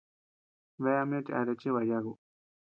Bea ama ñoʼö cheatea chibaʼa yaku.